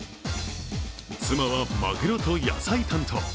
妻はマグロと野菜担当。